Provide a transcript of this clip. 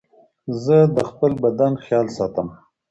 زه د خپل بدن خيال ساتم.